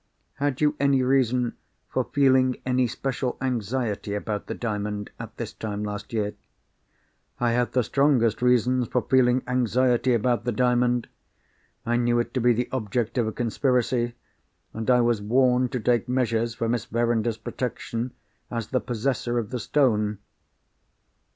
Had you any reason for feeling any special anxiety about the Diamond, at this time last year?" "I had the strongest reasons for feeling anxiety about the Diamond. I knew it to be the object of a conspiracy; and I was warned to take measures for Miss Verinder's protection, as the possessor of the stone."